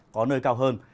có nơi cao hơn